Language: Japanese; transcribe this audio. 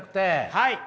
はい。